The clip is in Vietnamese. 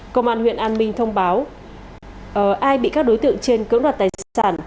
công an huyện an minh thông báo ai bị các đối tượng trên cưỡng đoạt tài sản